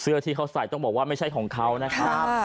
ที่เขาใส่ต้องบอกว่าไม่ใช่ของเขานะครับ